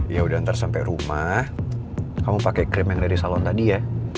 ya udah ntar sampe rumah kamu pake krim yang dari salon tadi ya